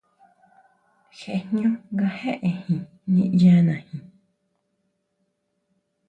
Jee jñú nga jéʼejin niʼyanajin.